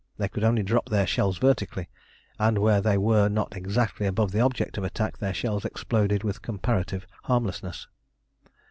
They could only drop their shells vertically, and where they were not exactly above the object of attack their shells exploded with comparative harmlessness.